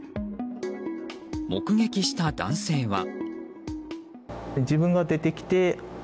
目撃した男性は。